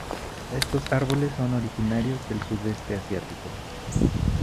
Estos árboles son originarios del sudeste asiático.